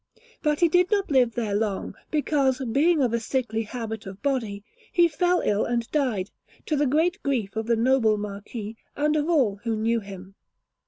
But he did not live there long, because, being of a sickly habit of body, he fell ill and died, to the great grief of the noble Marquis and of all who knew him.